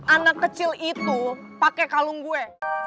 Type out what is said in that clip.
anak kecil itu pakai kalung gue